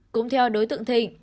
cũng theo đối tượng thịnh